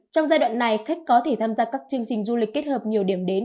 trong giai đoạn này khách có thể tham gia các chương trình du lịch kết hợp nhiều điểm đến